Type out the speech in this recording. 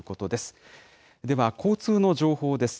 では、交通の情報です。